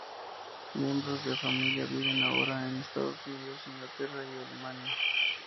Miembros de la familia viven ahora en Estados Unidos, Inglaterra y Alemania.